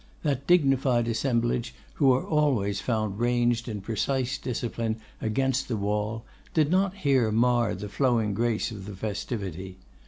That dignified assemblage who are always found ranged in precise discipline against the wall, did not here mar the flowing grace of the festivity.